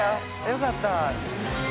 よかった。